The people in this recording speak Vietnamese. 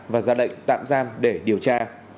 và ra đệnh tạm giam để điều tra